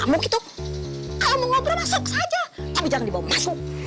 masuk saja tapi jangan dibawa masuk